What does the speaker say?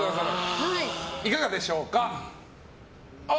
いかがでしょうか？